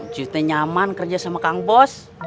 cuy teh nyaman kerja sama kang bos